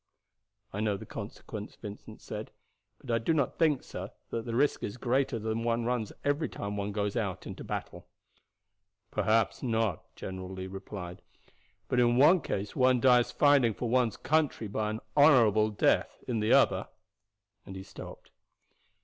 "I know the consequence," Vincent said; "but I do not think, sir, that the risk is greater than one runs every time one goes into battle." "Perhaps not," General Lee replied; "but in one case one dies fighting for one's country by an honorable death, in the other " and he stopped.